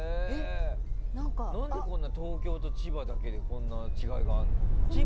何で東京と千葉だけでこんなに違いがあるの？